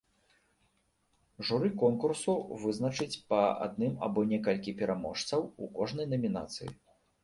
Журы конкурсу вызначыць па адным або некалькі пераможцаў у кожнай намінацыі.